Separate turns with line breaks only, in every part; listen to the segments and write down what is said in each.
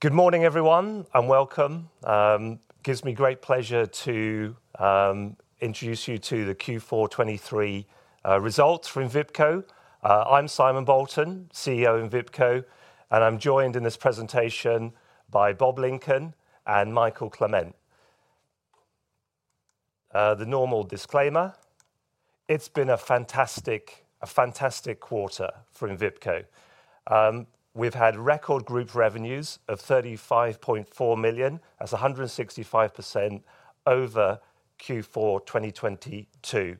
Good morning, everyone, and welcome. It gives me great pleasure to introduce you to the Q4 2023 results from Envipco. I'm Simon Bolton, CEO of Envipco, and I'm joined in this presentation by Bob Lincoln and Mikael Clement. The normal disclaimer: it's been a fantastic, a fantastic quarter for Envipco. We've had record group revenues of 35.4 million, that's 165% over Q4 2022.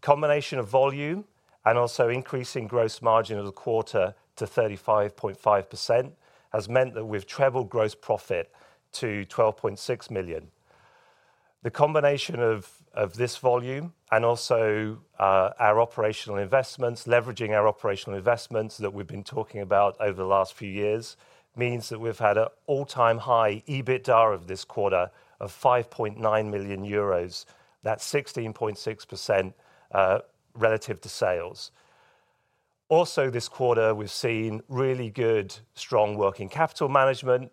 Combination of volume and also increasing gross margin of the quarter to 35.5% has meant that we've trebled gross profit to 12.6 million. The combination of, of this volume and also, our operational investments, leveraging our operational investments that we've been talking about over the last few years, means that we've had an all-time high EBITDA of this quarter of 5.9 million euros. That's 16.6%, relative to sales. Also, this quarter we've seen really good, strong working capital management.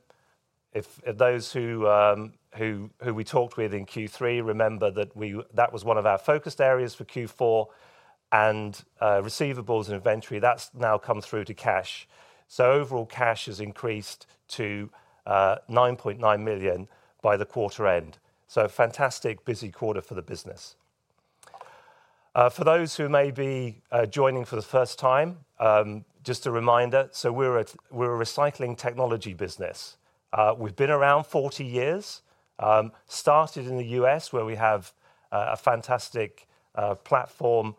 If those who we talked with in Q3 remember that that was one of our focused areas for Q4, and receivables and inventory, that's now come through to cash. So overall cash has increased to 9.9 million by the quarter end. So fantastic, busy quarter for the business. For those who may be joining for the first time, just a reminder, so we're a recycling technology business. We've been around 40 years, started in the U.S. where we have a fantastic platform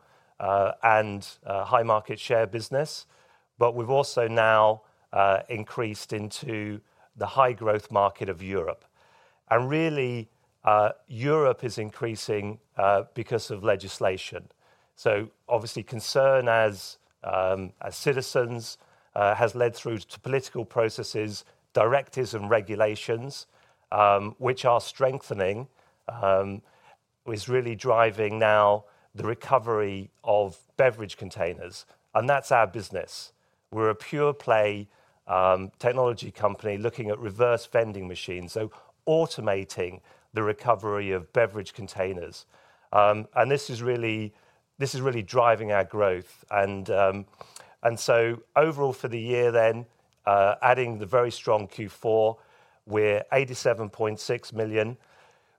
and high market share business, but we've also now increased into the high growth market of Europe. And really, Europe is increasing because of legislation. So obviously concern as citizens has led through to political processes, directives and regulations, which are strengthening, is really driving now the recovery of beverage containers. And that's our business. We're a pure-play technology company looking at reverse vending machines, so automating the recovery of beverage containers. And this is really this is really driving our growth. And so overall for the year then, adding the very strong Q4, we're 87.6 million,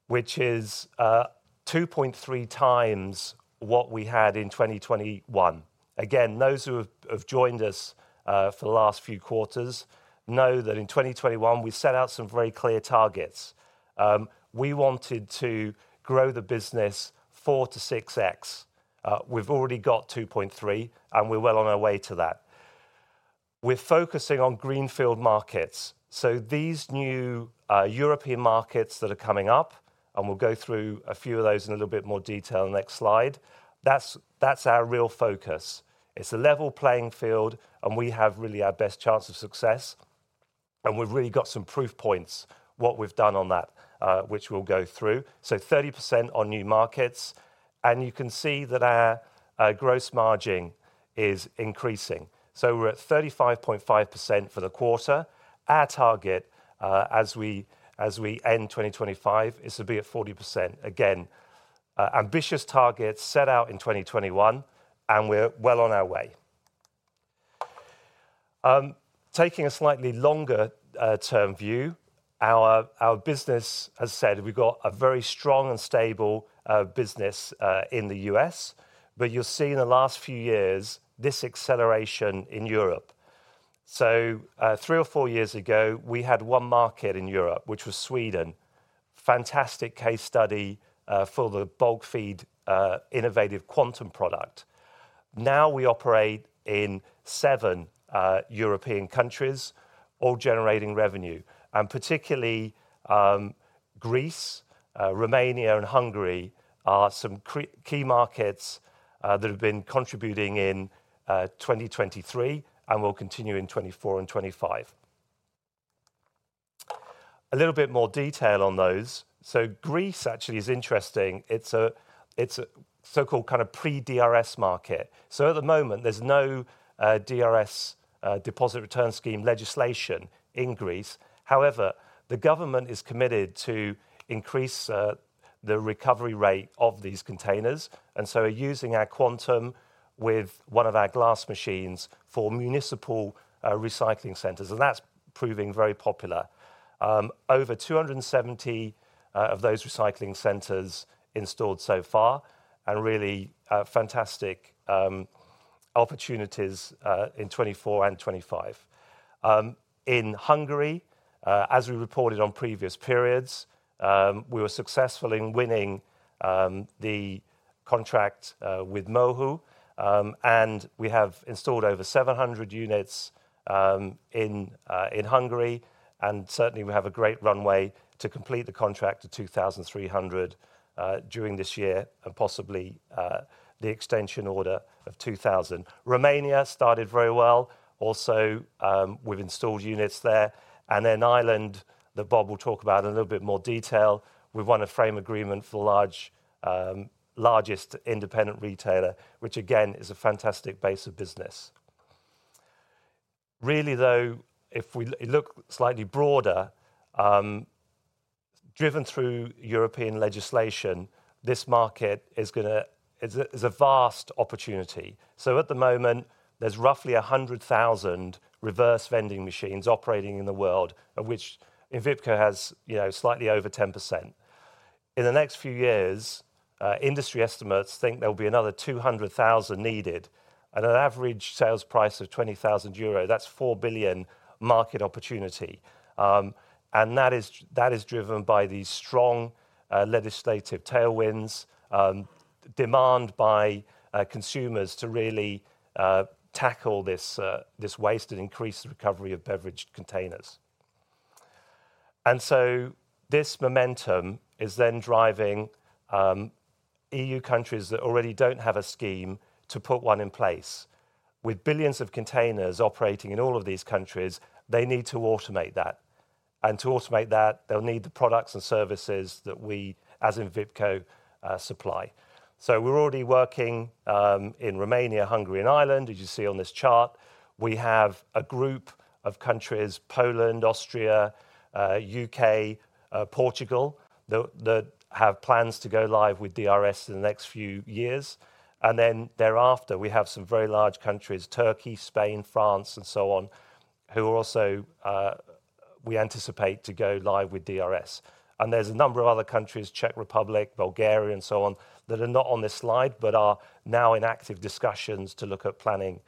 which is 2.3x what we had in 2021. Again, those who have joined us for the last few quarters know that in 2021 we set out some very clear targets. We wanted to grow the business 4x-6x. We've already got 2.3x, and we're well on our way to that. We're focusing on greenfield markets. So these new European markets that are coming up, and we'll go through a few of those in a little bit more detail on the next slide. That's our real focus. It's a level playing field, and we have really our best chance of success. And we've really got some proof points what we've done on that, which we'll go through. So 30% on new markets. And you can see that our gross margin is increasing. So we're at 35.5% for the quarter. Our target, as we end 2025, is to be at 40%. Again, ambitious targets set out in 2021, and we're well on our way. Taking a slightly longer term view, our business, as said, we've got a very strong and stable business in the U.S., but you'll see in the last few years this acceleration in Europe. So three or four years ago we had one market in Europe, which was Sweden. Fantastic case study for the bulk feed innovative Quantum product. Now we operate in seven European countries, all generating revenue. Particularly, Greece, Romania and Hungary are some key markets that have been contributing in 2023 and will continue in 2024 and 2025. A little bit more detail on those. So Greece actually is interesting. It's a so-called kind of pre-DRS market. So at the moment there's no DRS, deposit return scheme legislation in Greece. However, the government is committed to increase the recovery rate of these containers, and so are using our Quantum with one of our glass machines for municipal recycling centers. And that's proving very popular. Over 270 of those recycling centers installed so far, and really fantastic opportunities in 2024 and 2025. In Hungary, as we reported on previous periods, we were successful in winning the contract with MOHU, and we have installed over 700 units in Hungary, and certainly we have a great runway to complete the contract to 2,300 during this year and possibly the extension order of 2,000. Romania started very well; we've installed units there. Then Ireland, that Bob will talk about in a little bit more detail, we've won a frame agreement for the largest independent retailer, which again is a fantastic base of business. Really though, if we look slightly broader, driven through European legislation, this market is going to be a vast opportunity. At the moment there's roughly 100,000 reverse vending machines operating in the world, of which Envipco has, you know, slightly over 10%. In the next few years, industry estimates think there'll be another 200,000 needed. At an average sales price of 20,000 euro, that's 4 billion market opportunity. That is that is driven by these strong legislative tailwinds, demand by consumers to really tackle this this waste and increase the recovery of beverage containers. This momentum is then driving EU countries that already don't have a scheme to put one in place. With billions of containers operating in all of these countries, they need to automate that. To automate that, they'll need the products and services that we, as Envipco, supply. We're already working in Romania, Hungary and Ireland, as you see on this chart. We have a group of countries, Poland, Austria, U.K., Portugal, that that have plans to go live with DRS in the next few years. And then thereafter, we have some very large countries, Turkey, Spain, France, and so on, who also, we anticipate, to go live with DRS. And there's a number of other countries, Czech Republic, Bulgaria, and so on, that are not on this slide but are now in active discussions to look at planning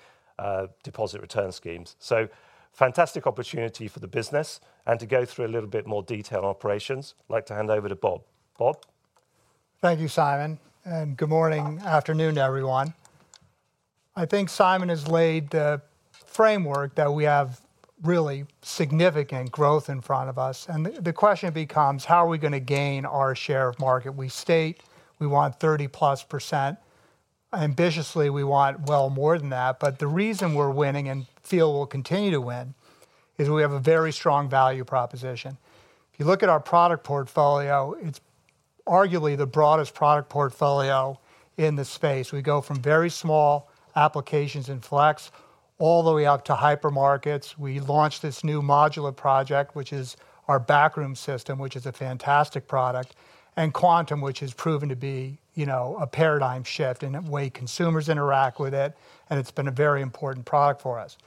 deposit return schemes. So fantastic opportunity for the business and to go through a little bit more detail on operations. I'd like to hand over to Bob. Bob?
Thank you, Simon, and good morning, afternoon everyone. I think Simon has laid the framework that we have really significant growth in front of us. The question becomes, how are we going to gain our share of market? We state, we want 30%+. Ambitiously we want well more than that, but the reason we're winning and feel we'll continue to win is we have a very strong value proposition. If you look at our product portfolio, it's arguably the broadest product portfolio in the space. We go from very small applications in Flex all the way out to hypermarkets. We launched this new Modula project, which is our backroom system, which is a fantastic product, and Quantum, which has proven to be, you know, a paradigm shift in the way consumers interact with it, and it's been a very important product for us.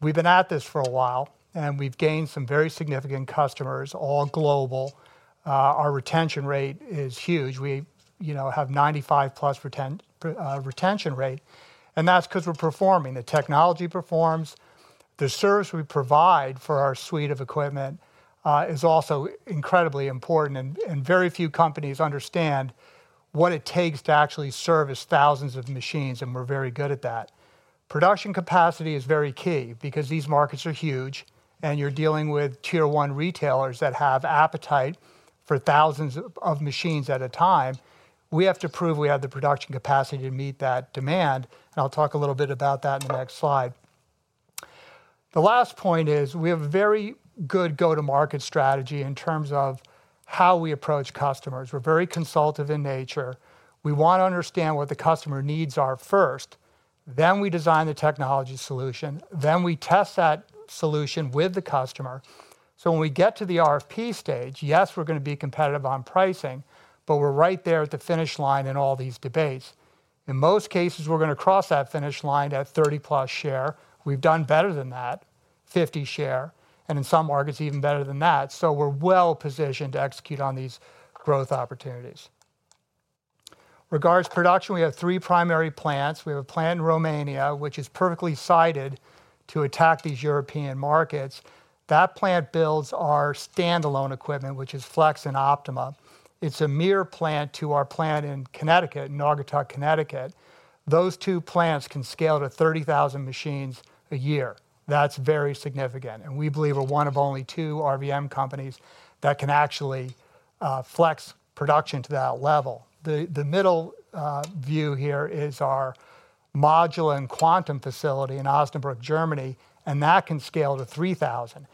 We've been at this for a while and we've gained some very significant customers, all global. Our retention rate is huge. We, you know, have 95+ retention rate. That's because we're performing. The technology performs. The service we provide for our suite of equipment is also incredibly important, and very few companies understand what it takes to actually service thousands of machines, and we're very good at that. Production capacity is very key because these markets are huge, and you're dealing with tier one retailers that have appetite for thousands of machines at a time. We have to prove we have the production capacity to meet that demand, and I'll talk a little bit about that in the next slide. The last point is we have a very good go-to-market strategy in terms of how we approach customers. We're very consultative in nature. We want to understand what the customer needs are first, then we design the technology solution, then we test that solution with the customer. So when we get to the RFP stage, yes, we're going to be competitive on pricing, but we're right there at the finish line in all these debates. In most cases we're going to cross that finish line at 30+ share. We've done better than that, 50 share, and in some markets even better than that. So we're well positioned to execute on these growth opportunities. Regarding production, we have three primary plants. We have a plant in Romania, which is perfectly sited to attack these European markets. That plant builds our standalone equipment, which is Flex and Optima. It's a mirror plant to our plant in Connecticut, in Naugatuck, Connecticut. Those two plants can scale to 30,000 machines a year. That's very significant. We believe we're one of only two RVM companies that can actually Flex production to that level. The middle view here is our Modula and Quantum facility in Osnabrück, Germany, and that can scale to 3,000.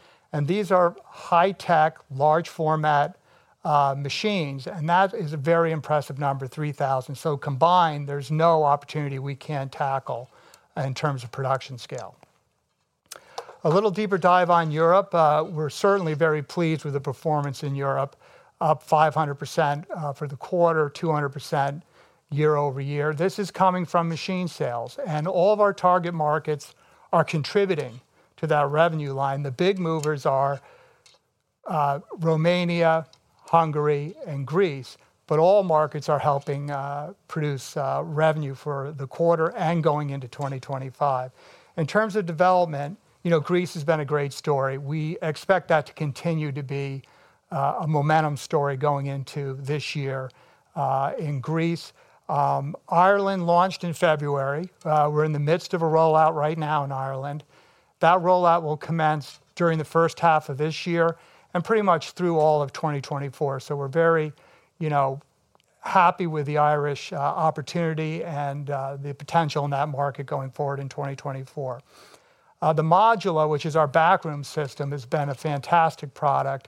These are high-tech, large format machines, and that is a very impressive number, 3,000. Combined there's no opportunity we can't tackle in terms of production scale. A little deeper dive on Europe. We're certainly very pleased with the performance in Europe, up 500% for the quarter, 200% year-over-year. This is coming from machine sales, and all of our target markets are contributing to that revenue line. The big movers are Romania, Hungary and Greece, but all markets are helping produce revenue for the quarter and going into 2025. In terms of development, you know, Greece has been a great story. We expect that to continue to be a momentum story going into this year in Greece. Ireland launched in February. We're in the midst of a rollout right now in Ireland. That rollout will commence during the first half of this year and pretty much through all of 2024. So we're very, you know, happy with the Irish opportunity and the potential in that market going forward in 2024. The Modula, which is our backroom system, has been a fantastic product.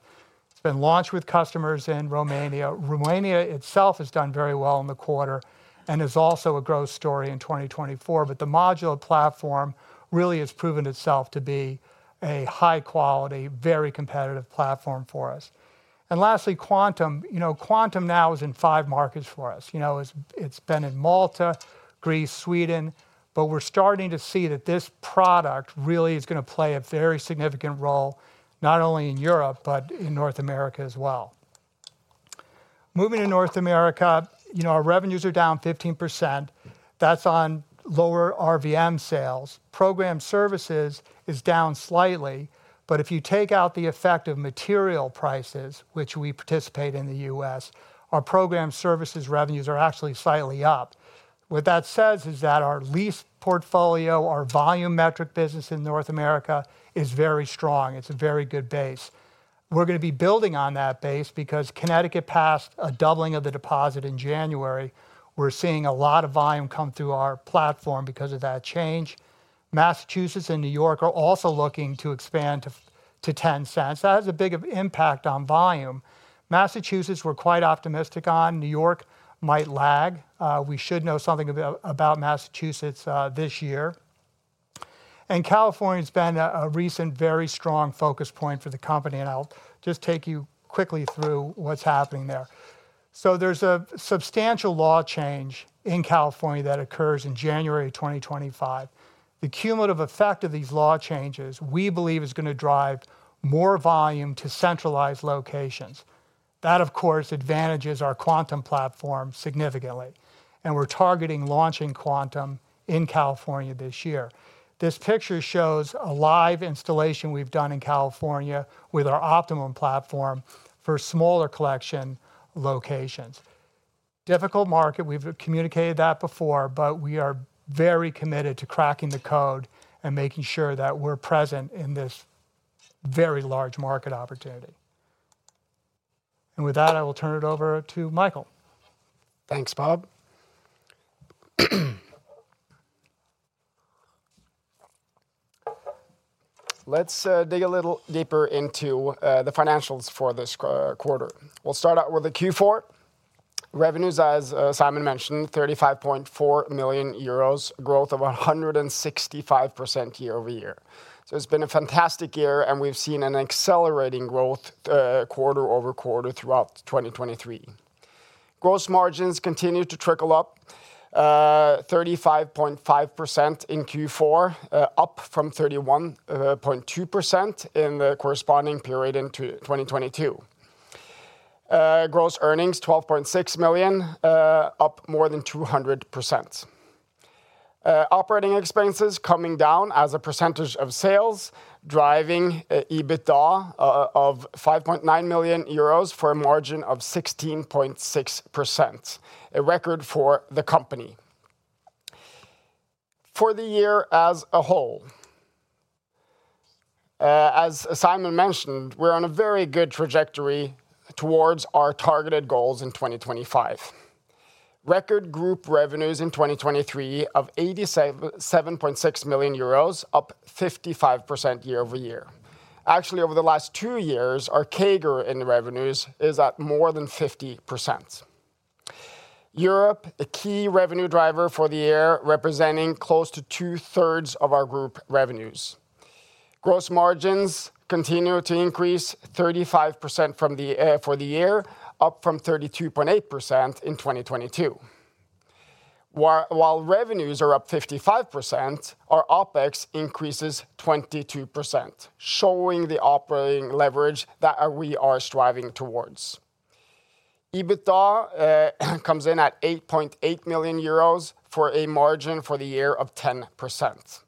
It's been launched with customers in Romania. Romania itself has done very well in the quarter and is also a growth story in 2024, but the Modula platform really has proven itself to be a high-quality, very competitive platform for us. And lastly, Quantum. You know, Quantum now is in five markets for us. You know, it's been in Malta, Greece, Sweden, but we're starting to see that this product really is going to play a very significant role, not only in Europe, but in North America as well. Moving to North America, you know, our revenues are down 15%. That's on lower RVM sales. Program Services is down slightly, but if you take out the effect of material prices, which we participate in the U.S., our Program Services revenues are actually slightly up. What that says is that our lease portfolio, our volume metric business in North America is very strong. It's a very good base. We're going to be building on that base because Connecticut passed a doubling of the deposit in January. We're seeing a lot of volume come through our platform because of that change. Massachusetts and New York are also looking to expand to $0.10. That has a big impact on volume. Massachusetts we're quite optimistic on. New York might lag. We should know something about Massachusetts this year. California has been a recent very strong focus point for the company, and I'll just take you quickly through what's happening there. There's a substantial law change in California that occurs in January 2025. The cumulative effect of these law changes, we believe, is going to drive more volume to centralized locations. That, of course, advantages our Quantum platform significantly, and we're targeting launching Quantum in California this year. This picture shows a live installation we've done in California with our Optima platform for smaller collection locations. Difficult market. We've communicated that before, but we are very committed to cracking the code and making sure that we're present in this very large market opportunity. With that, I will turn it over to Mikael.
Thanks, Bob. Let's dig a little deeper into the financials for this quarter. We'll start out with the Q4 revenues, as Simon mentioned, 35.4 million euros, growth of 165% year-over-year. So it's been a fantastic year, and we've seen an accelerating growth quarter-over-quarter throughout 2023. Gross margins continue to trickle up, 35.5% in Q4, up from 31.2% in the corresponding period in 2022. Gross earnings, 12.6 million, up more than 200%. Operating expenses coming down as a percentage of sales, driving EBITDA of 5.9 million euros for a margin of 16.6%, a record for the company. For the year as a whole, as Simon mentioned, we're on a very good trajectory towards our targeted goals in 2025. Record group revenues in 2023 of 87.6 million euros, up 55% year-over-year. Actually, over the last two years, our CAGR in revenues is at more than 50%. Europe, a key revenue driver for the year, representing close to two-thirds of our group revenues. Gross margins continue to increase 35% for the year, up from 32.8% in 2022. While revenues are up 55%, our OpEx increases 22%, showing the operating leverage that we are striving towards. EBITDA comes in at 8.8 million euros for a margin for the year of 10%,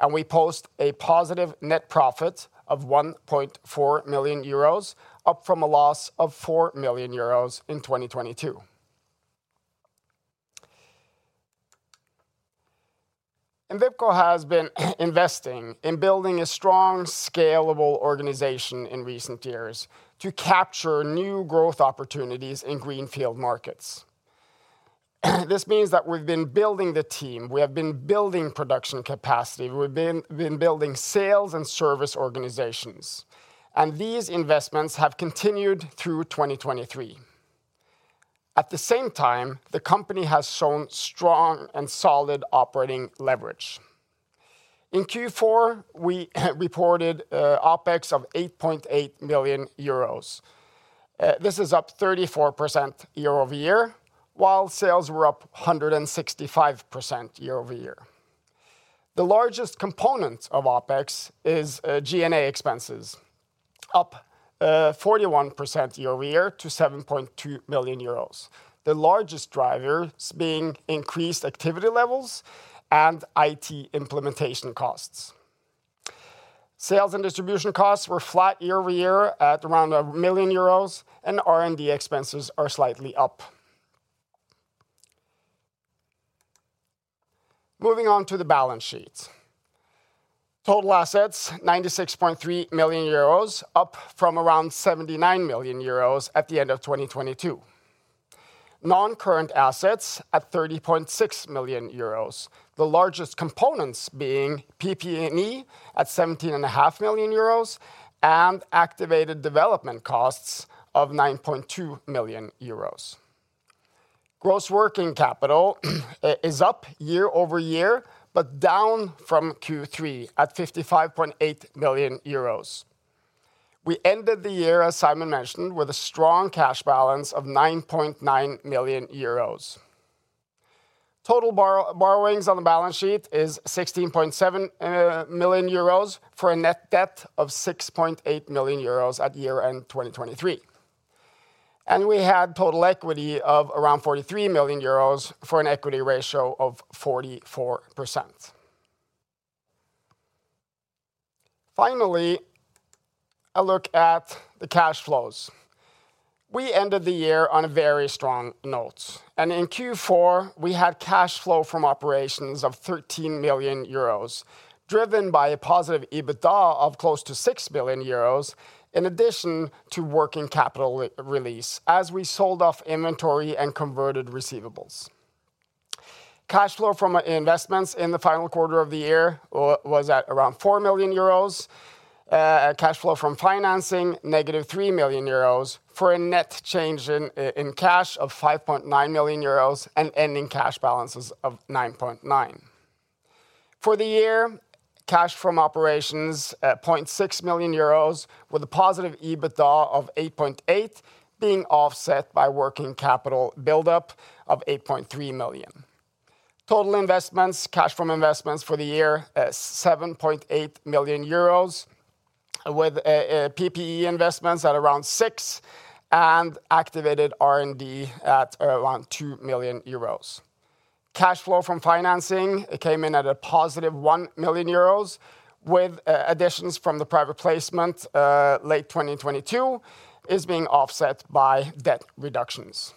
and we post a positive net profit of 1.4 million euros, up from a loss of 4 million euros in 2022. Envipco has been investing in building a strong, scalable organization in recent years to capture new growth opportunities in greenfield markets. This means that we've been building the team. We have been building production capacity. We've been building sales and service organizations, and these investments have continued through 2023. At the same time, the company has shown strong and solid operating leverage. In Q4, we reported OpEx of 8.8 million euros. This is up 34% year-over-year, while sales were up 165% year-over-year. The largest component of OpEx is G&A expenses, up 41% year-over-year to 7.2 million euros, the largest drivers being increased activity levels and IT implementation costs. Sales and distribution costs were flat year-over-year at around 1 million euros, and R&D expenses are slightly up. Moving on to the balance sheet. Total assets, 96.3 million euros, up from around 79 million euros at the end of 2022. Non-current assets at 30.6 million euros, the largest components being PP&E at 17.5 million euros and activated development costs of 9.2 million euros. Gross working capital is up year-over-year, but down from Q3 at 55.8 million euros. We ended the year, as Simon mentioned, with a strong cash balance of 9.9 million euros. Total borrowings on the balance sheet is 16.7 million euros for a net debt of 6.8 million euros at year-end 2023. And we had total equity of around 43 million euros for an equity ratio of 44%. Finally, a look at the cash flows. We ended the year on a very strong note, and in Q4, we had cash flow from operations of 13 million euros driven by a positive EBITDA of close to 6 billion euros, in addition to working capital release as we sold off inventory and converted receivables. Cash flow from investments in the final quarter of the year was at around 4 million euros. Cash flow from financing, negative 3 million euros for a net change in cash of 5.9 million euros and ending cash balances of 9.9 million. For the year, cash from operations, 0.6 million euros with a positive EBITDA of 8.8 million being offset by working capital buildup of 8.3 million. Total investments, cash from investments for the year, 7.8 million euros with PP&E investments at around 6 million and activated R&D at around 2 million euros. Cash flow from financing came in at a positive 1 million euros with additions from the private placement late 2022 being offset by debt reductions,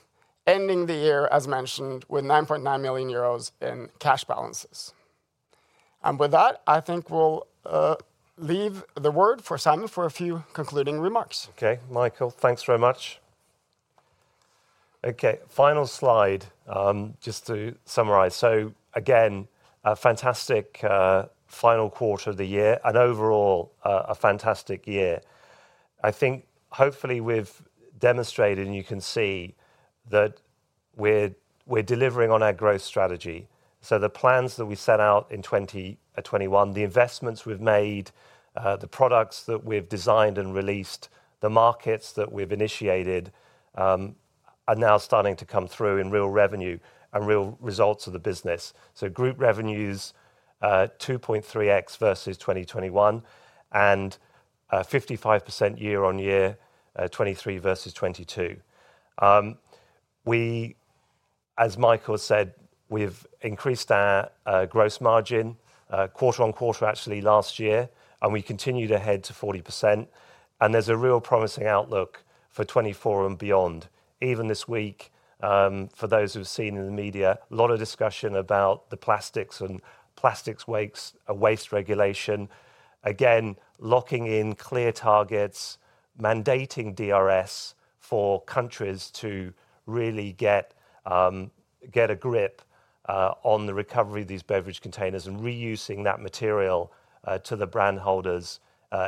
ending the year, as mentioned, with 9.9 million euros in cash balances. And with that, I think we'll leave the word for Simon for a few concluding remarks.
Okay, Mikael, thanks very much. Okay, final slide, just to summarize. So again, a fantastic final quarter of the year and overall a fantastic year. I think hopefully we've demonstrated and you can see that we're delivering on our growth strategy. So the plans that we set out in 2021, the investments we've made, the products that we've designed and released, the markets that we've initiated are now starting to come through in real revenue and real results of the business. So group revenues, 2.3x versus 2021 and 55% year-on-year, 2023 versus 2022. We, as Michael said, we've increased our gross margin quarter-over-quarter actually last year, and we continue to head to 40%. And there's a real promising outlook for 2024 and beyond. Even this week, for those who've seen in the media, a lot of discussion about the plastics and plastics waste regulation. Again, locking in clear targets, mandating DRS for countries to really get a grip on the recovery of these beverage containers and reusing that material to the brand holders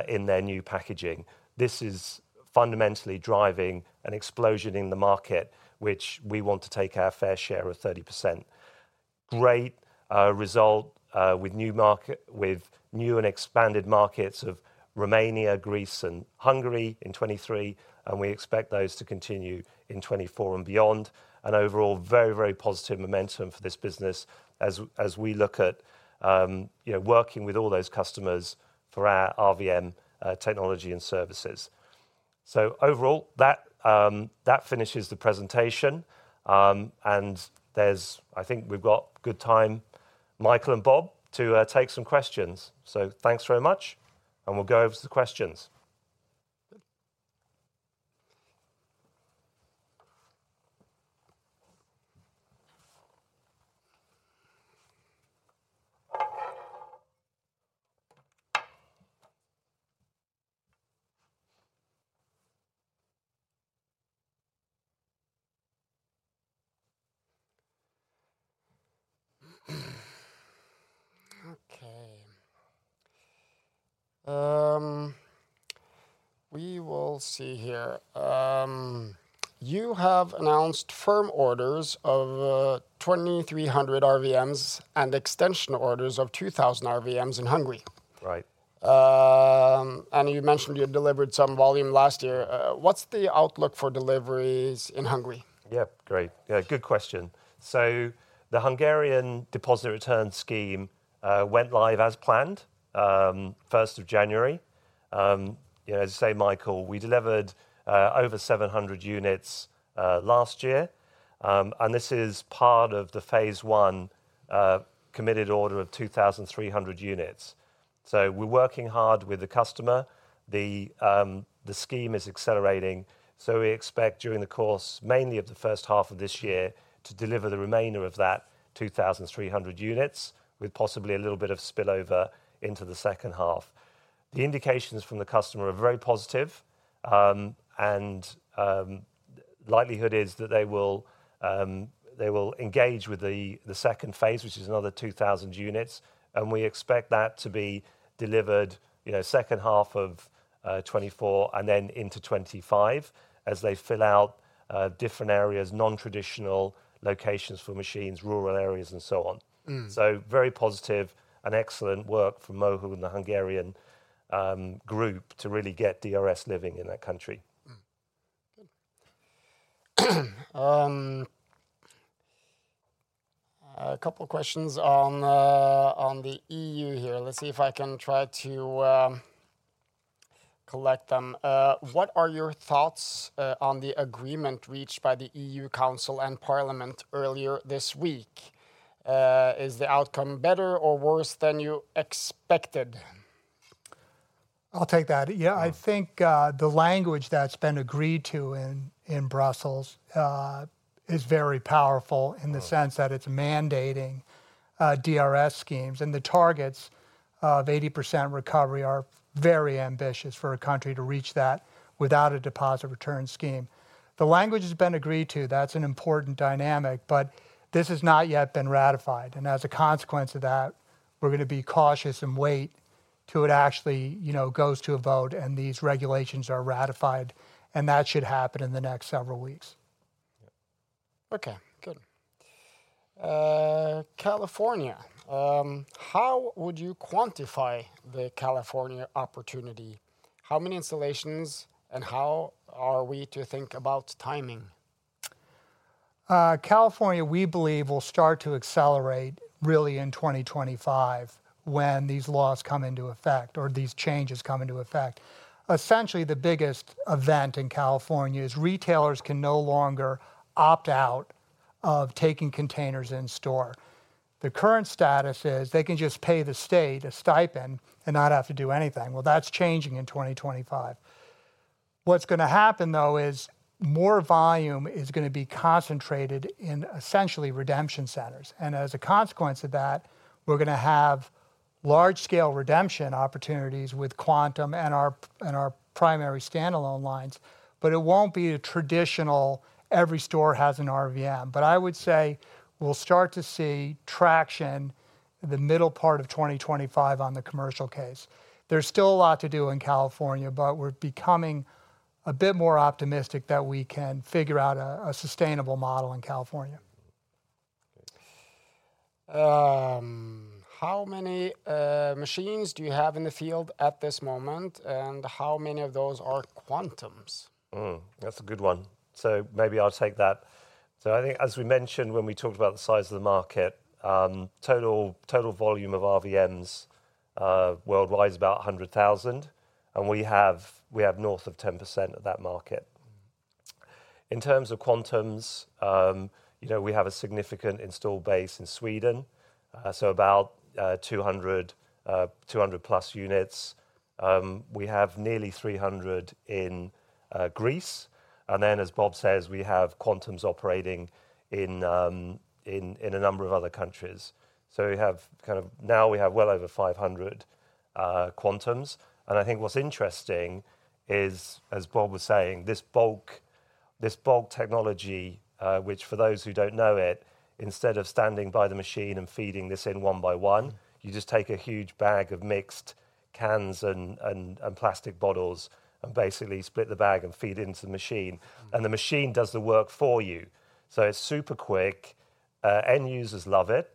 in their new packaging. This is fundamentally driving an explosion in the market, which we want to take our fair share of 30%. Great result with new market, with new and expanded markets of Romania, Greece and Hungary in 2023, and we expect those to continue in 2024 and beyond. Overall, very, very positive momentum for this business as we look at working with all those customers for our RVM technology and services. Overall, that finishes the presentation, and there's, I think we've got good time, Mikael and Bob, to take some questions. Thanks very much, and we'll go over to the questions.
Okay. We will see here. You have announced firm orders of 2,300 RVMs and extension orders of 2,000 RVMs in Hungary.
Right.
You mentioned you delivered some volume last year. What's the outlook for deliveries in Hungary?
Yeah, great. Yeah, good question. So the Hungarian deposit return scheme went live as planned 1st of January. As you say, Mikael, we delivered over 700 units last year, and this is part of the phase one committed order of 2,300 units. So we're working hard with the customer. The scheme is accelerating. So we expect during the course, mainly of the first half of this year, to deliver the remainder of that 2,300 units with possibly a little bit of spillover into the second half. The indications from the customer are very positive, and likelihood is that they will engage with the second phase, which is another 2,000 units. And we expect that to be delivered second half of 2024 and then into 2025 as they fill out different areas, non-traditional locations for machines, rural areas, and so on. So very positive and excellent work from MOHU and the Hungarian group to really get DRS living in that country.
Good. A couple of questions on the EU here. Let's see if I can try to collect them. What are your thoughts on the agreement reached by the EU Council and Parliament earlier this week? Is the outcome better or worse than you expected?
I'll take that. Yeah, I think the language that's been agreed to in Brussels is very powerful in the sense that it's mandating DRS schemes. The targets of 80% recovery are very ambitious for a country to reach that without a deposit return scheme. The language has been agreed to. That's an important dynamic, but this has not yet been ratified. As a consequence of that, we're going to be cautious and wait till it actually goes to a vote and these regulations are ratified. That should happen in the next several weeks.
Okay, good. California, how would you quantify the California opportunity? How many installations and how are we to think about timing?
California, we believe will start to accelerate really in 2025 when these laws come into effect or these changes come into effect. Essentially, the biggest event in California is retailers can no longer opt out of taking containers in store. The current status is they can just pay the state a stipend and not have to do anything. Well, that's changing in 2025. What's going to happen, though, is more volume is going to be concentrated in essentially redemption centers. And as a consequence of that, we're going to have large-scale redemption opportunities with Quantum and our primary standalone lines. But it won't be a traditional every store has an RVM. But I would say we'll start to see traction the middle part of 2025 on the commercial case. There's still a lot to do in California, but we're becoming a bit more optimistic that we can figure out a sustainable model in California.
How many machines do you have in the field at this moment, and how many of those are Quantums?
That's a good one. So maybe I'll take that. So I think, as we mentioned when we talked about the size of the market, total volume of RVMs worldwide is about 100,000, and we have north of 10% of that market. In terms of Quantums, we have a significant installed base in Sweden, so about 200+ units. We have nearly 300 in Greece. And then, as Bob says, we have Quantums operating in a number of other countries. So now we have well over 500 Quantums. And I think what's interesting is, as Bob was saying, this bulk technology, which for those who don't know it, instead of standing by the machine and feeding this in one by one, you just take a huge bag of mixed cans and plastic bottles and basically split the bag and feed it into the machine. The machine does the work for you. It's super quick. End users love it.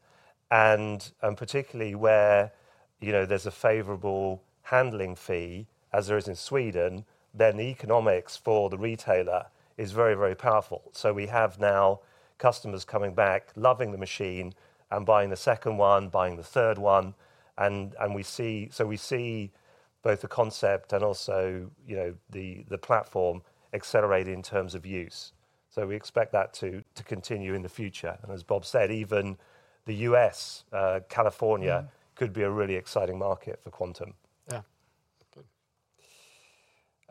Particularly where there's a favorable handling fee as there is in Sweden, then the economics for the retailer is very, very powerful. We have now customers coming back, loving the machine, and buying the second one, buying the third one. We see both the concept and also the platform accelerate in terms of use. We expect that to continue in the future. As Bob said, even the U.S., California, could be a really exciting market for Quantum.
Yeah, good.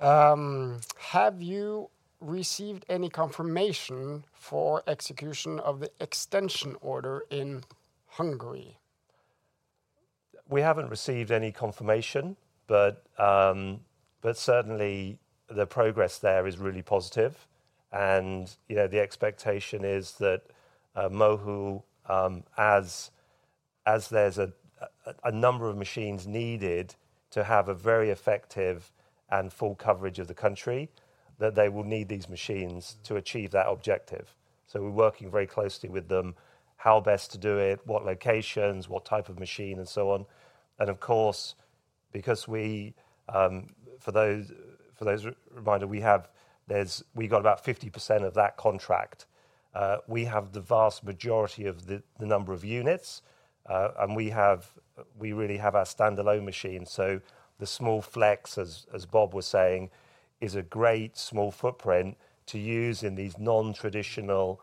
Have you received any confirmation for execution of the extension order in Hungary?
We haven't received any confirmation, but certainly the progress there is really positive. The expectation is that MOHU, as there's a number of machines needed to have a very effective and full coverage of the country, that they will need these machines to achieve that objective. So we're working very closely with them, how best to do it, what locations, what type of machine, and so on. And of course, because we, for those reminder, we've got about 50% of that contract. We have the vast majority of the number of units, and we really have our standalone machine. So the small Flex, as Bob was saying, is a great small footprint to use in these non-traditional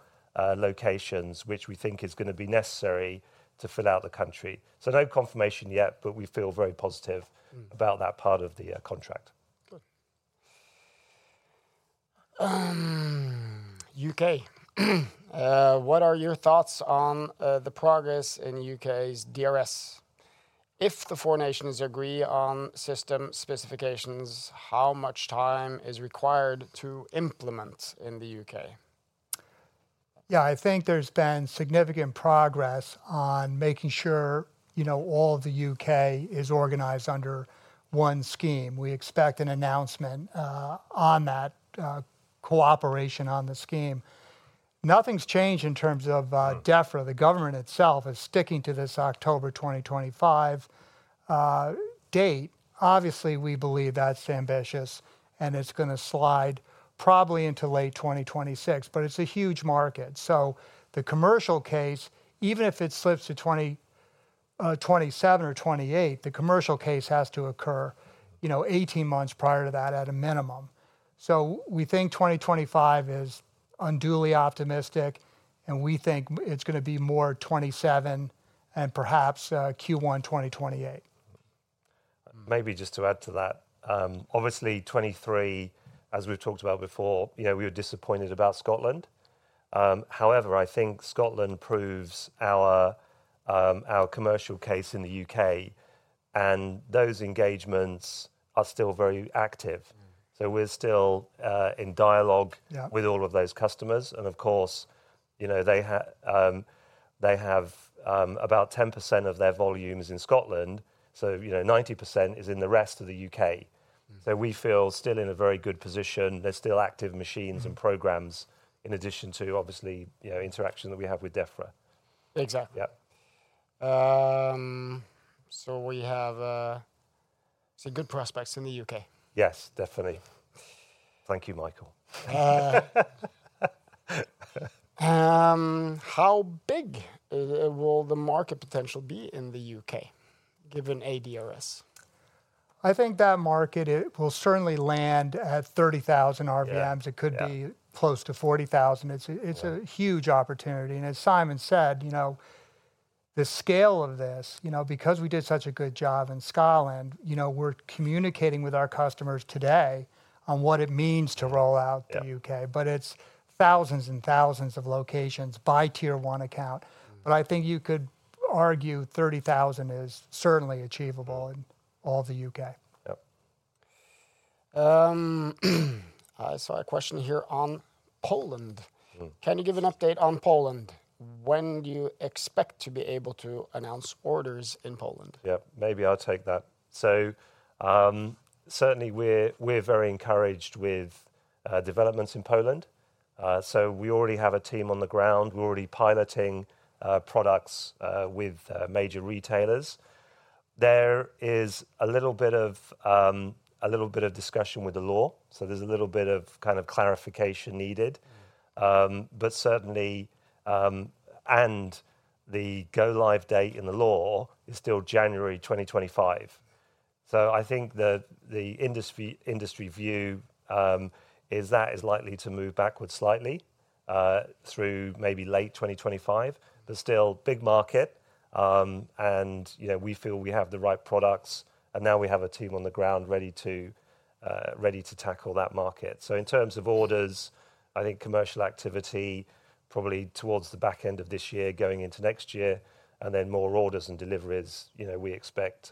locations, which we think is going to be necessary to fill out the country. So no confirmation yet, but we feel very positive about that part of the contract.
Good. U.K., what are your thoughts on the progress in the U.K.'s DRS? If the four nations agree on system specifications, how much time is required to implement in the U.K.?
Yeah, I think there's been significant progress on making sure all of the UK is organized under one scheme. We expect an announcement on that cooperation on the scheme. Nothing's changed in terms of DEFRA. The government itself is sticking to this October 2025 date. Obviously, we believe that's ambitious, and it's going to slide probably into late 2026. But it's a huge market. So the commercial case, even if it slips to 2027 or 2028, the commercial case has to occur 18 months prior to that at a minimum. So we think 2025 is unduly optimistic, and we think it's going to be more 2027 and perhaps Q1 2028.
Maybe just to add to that, obviously 2023, as we've talked about before, we were disappointed about Scotland. However, I think Scotland proves our commercial case in the U.K., and those engagements are still very active. So we're still in dialogue with all of those customers. And of course, they have about 10% of their volumes in Scotland. So 90% is in the rest of the U.K.. So we feel still in a very good position. There's still active machines and programs in addition to, obviously, interaction that we have with DEFRA.
Exactly.
Yeah.
We have good prospects in the U.K..
Yes, definitely. Thank you, Mikael.
How big will the market potential be in the U.K., given a DRS?
I think that market will certainly land at 30,000 RVMs. It could be close to 40,000. It's a huge opportunity. And as Simon said, the scale of this, because we did such a good job in Scotland, we're communicating with our customers today on what it means to roll out to the U.K.. But it's thousands and thousands of locations by tier one account. But I think you could argue 30,000 is certainly achievable in all the U.K..
Yep.
I saw a question here on Poland. Can you give an update on Poland when you expect to be able to announce orders in Poland?
Yeah, maybe I'll take that. So certainly, we're very encouraged with developments in Poland. So we already have a team on the ground. We're already piloting products with major retailers. There is a little bit of discussion with the law. So there's a little bit of kind of clarification needed. But certainly, and the go-live date in the law is still January 2025. So I think the industry view is that is likely to move backwards slightly through maybe late 2025, but still big market. And we feel we have the right products. And now we have a team on the ground ready to tackle that market. So in terms of orders, I think commercial activity probably towards the back end of this year, going into next year, and then more orders and deliveries we expect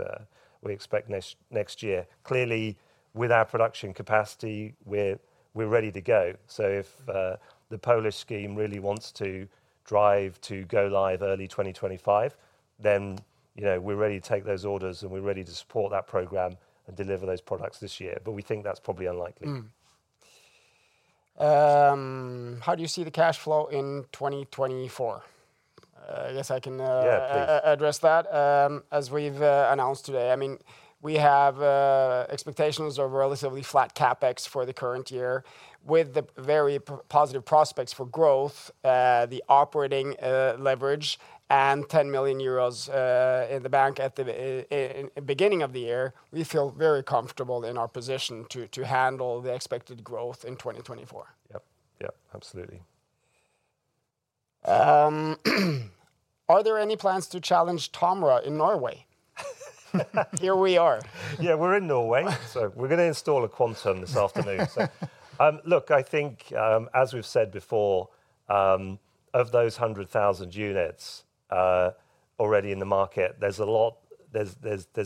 next year. Clearly, with our production capacity, we're ready to go. So if the Polish scheme really wants to drive to go-live early 2025, then we're ready to take those orders, and we're ready to support that program and deliver those products this year. But we think that's probably unlikely.
How do you see the cash flow in 2024? I guess I can address that as we've announced today. I mean, we have expectations of relatively flat CapEx for the current year. With the very positive prospects for growth, the operating leverage, and 10 million euros in the bank at the beginning of the year, we feel very comfortable in our position to handle the expected growth in 2024.
Yep, yep, absolutely.
Are there any plans to challenge TOMRA in Norway? Here we are.
Yeah, we're in Norway. So we're going to install a Quantum this afternoon. So look, I think, as we've said before, of those 100,000 units already in the market, there's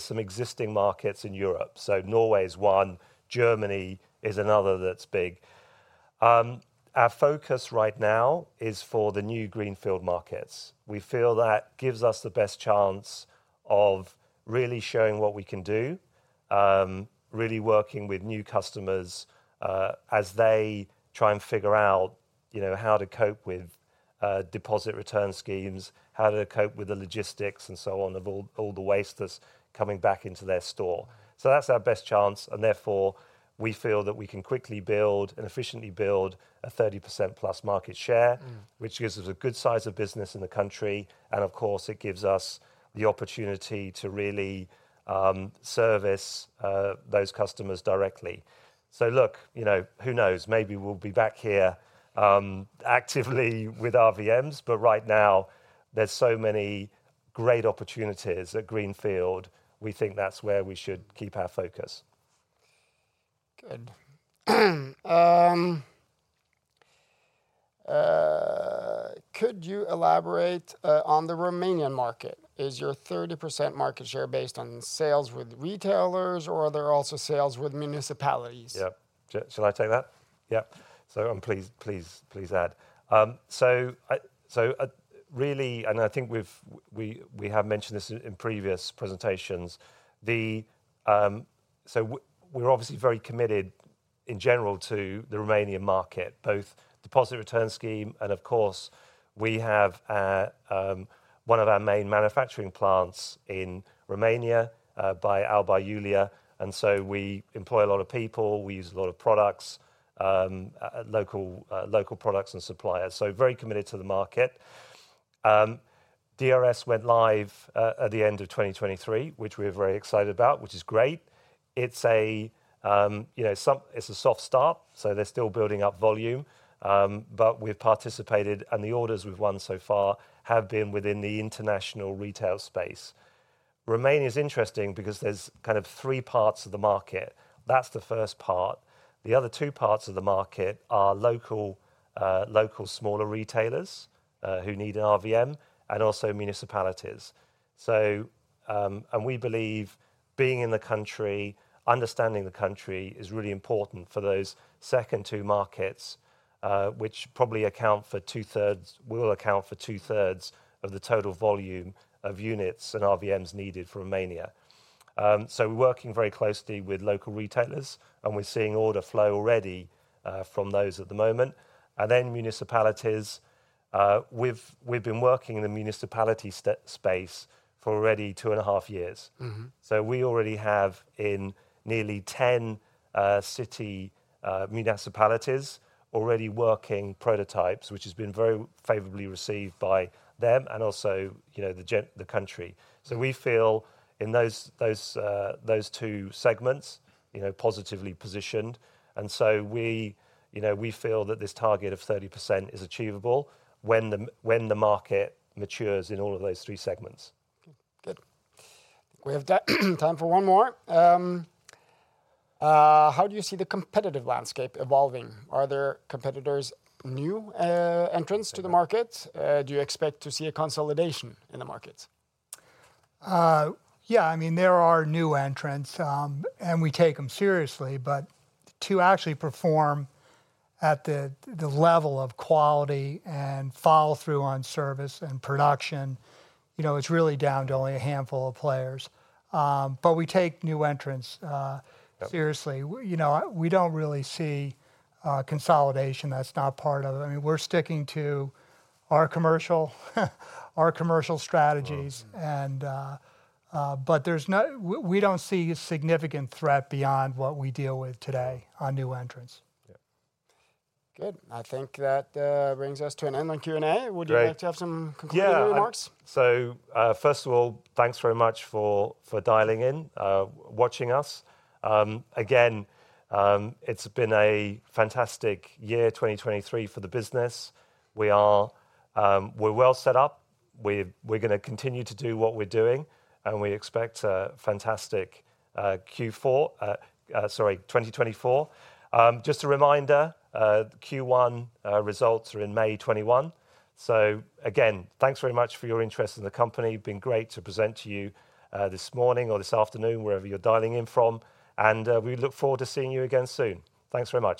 some existing markets in Europe. So Norway is one. Germany is another that's big. Our focus right now is for the new greenfield markets. We feel that gives us the best chance of really showing what we can do, really working with new customers as they try and figure out how to cope with deposit return schemes, how to cope with the logistics, and so on, of all the waste that's coming back into their store. So that's our best chance. And therefore, we feel that we can quickly build and efficiently build a 30%+ market share, which gives us a good size of business in the country. Of course, it gives us the opportunity to really service those customers directly. So look, who knows? Maybe we'll be back here actively with RVMs. But right now, there's so many great opportunities at greenfield. We think that's where we should keep our focus.
Good. Could you elaborate on the Romanian market? Is your 30% market share based on sales with retailers, or are there also sales with municipalities?
Yep, shall I take that? Yep. So please add. So really, and I think we have mentioned this in previous presentations, so we're obviously very committed, in general, to the Romanian market, both deposit return scheme. And of course, we have one of our main manufacturing plants in Romania by Alba Iulia. And so we employ a lot of people. We use a lot of local products and suppliers. So very committed to the market. DRS went live at the end of 2023, which we are very excited about, which is great. It's a soft start. So they're still building up volume. But we've participated, and the orders we've won so far have been within the international retail space. Romania is interesting because there's kind of three parts of the market. That's the first part. The other two parts of the market are local smaller retailers who need an RVM and also municipalities. We believe being in the country, understanding the country is really important for those second two markets, which probably account for two-thirds, will account for two-thirds of the total volume of units and RVMs needed for Romania. We're working very closely with local retailers, and we're seeing order flow already from those at the moment. Then municipalities, we've been working in the municipality space for already two and a half years. We already have in nearly 10 city municipalities already working prototypes, which has been very favorably received by them and also the country. We feel in those two segments positively positioned. We feel that this target of 30% is achievable when the market matures in all of those three segments.
Good. We have time for one more. How do you see the competitive landscape evolving? Are there competitors, new entrants to the market? Do you expect to see a consolidation in the markets?
Yeah, I mean, there are new entrants, and we take them seriously. But to actually perform at the level of quality and follow through on service and production, it's really down to only a handful of players. But we take new entrants seriously. We don't really see consolidation. That's not part of it. I mean, we're sticking to our commercial strategies. But we don't see a significant threat beyond what we deal with today on new entrants.
Good. I think that brings us to an end on Q&A. Would you like to have some concluding remarks?
Yeah. So first of all, thanks very much for dialing in, watching us. Again, it's been a fantastic year, 2023, for the business. We're well set up. We're going to continue to do what we're doing. And we expect a fantastic Q4, sorry, 2024. Just a reminder, Q1 results are in May 2021. So again, thanks very much for your interest in the company. Been great to present to you this morning or this afternoon, wherever you're dialing in from. And we look forward to seeing you again soon. Thanks very much.